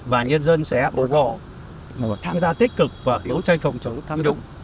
và nhân dân sẽ bố gộ tham gia tích cực và đấu tranh phòng chống tham nhũng